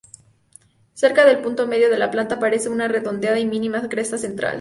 Cerca del punto medio de la planta aparece una redondeada y mínima cresta central.